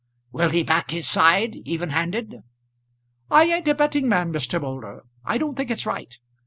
"Will he back his side, even handed?" "I ain't a betting man, Mr. Moulder. I don't think it's right.